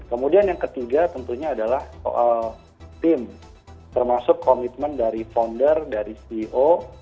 kemudian yang ketiga tentunya adalah soal tim termasuk komitmen dari founder dari ceo